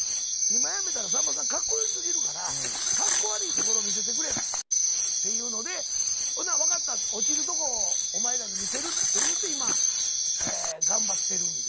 「今辞めたらさんまさんかっこよすぎるからかっこ悪いところ見せてくれ」って言うので「ほな分かった落ちるとこお前らに見せる」って言うて今頑張ってるんですよ。